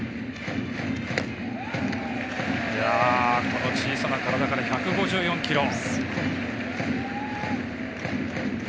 この小さな体から１５４キロ。